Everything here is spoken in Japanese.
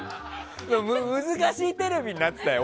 難しいテレビになってたよ。